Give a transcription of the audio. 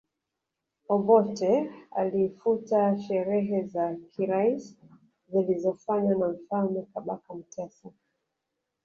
Obote alifuta sherehe za kiraisi zilizofanywa na Mfalme Kabaka Mutesa